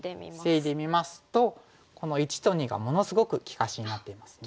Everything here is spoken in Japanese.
防いでみますとこの①と②がものすごく利かしになっていますね。